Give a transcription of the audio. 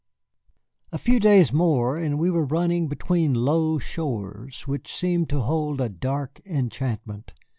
A few days more and we were running between low shores which seemed to hold a dark enchantment.